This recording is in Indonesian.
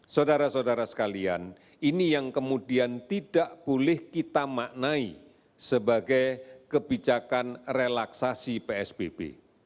saudara saudara sekalian ini yang kemudian tidak boleh kita maknai sebagai kebijakan relaksasi psbb